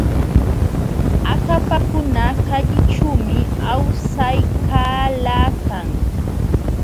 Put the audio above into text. Akapakuna kallićhuumi awsaykalakan.